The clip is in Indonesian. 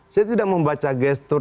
saya tidak membaca gestur